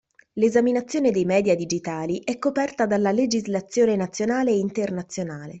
L’esaminazione dei media digitali è coperta dalla legislazione nazionale e internazionale.